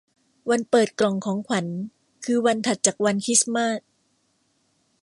วันเปิดกล่องของขวัญคือวันถัดจากวันคริสต์มาส